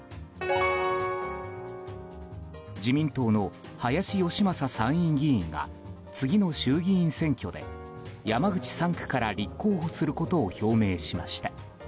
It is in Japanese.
自民党の林芳正参院議員が次の衆議院選挙で山口３区から立候補することを表明しました。